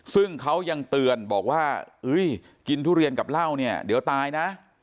ซึ่งเขายังเตือนบอกว่ากินทุเรียนกับเหล้าเนี่ยเดี๋ยวตายนะ